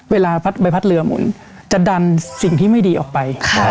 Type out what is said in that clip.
เวลาใบพัดเรือหมุนจะดันสิ่งที่ไม่ดีออกไป